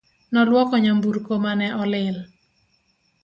Noluoko nyamburko mane olil